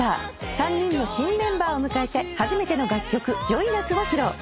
３人の新メンバーを迎えて初めての楽曲『ＪｏｉｎＵｓ！』を披露。